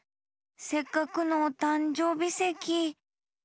せっかくのおたんじょうびせき。